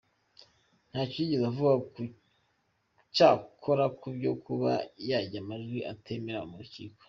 Ntacyo yigeze avuga cyakora ku byo kuba yajyana amajwi atemera mu rukiko.